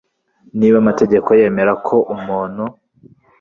niba amategeko yemera ko umuntu